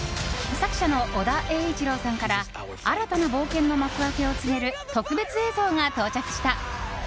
作者の尾田栄一郎さんから新たな冒険の幕開けを告げる特別映像が到着した！